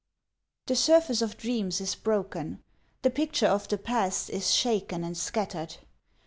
The surface of dreams is broken, The picture of the past is shaken and scattered.